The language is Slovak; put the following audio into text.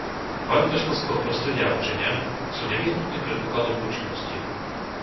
Kvalita školského prostredia a učenia sú nevyhnutným predpokladom účinnosti.